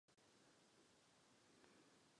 Zaujala mě poznámka o označování či razítkování vajec.